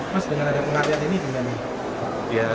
mas dengan ada pengalian ini gimana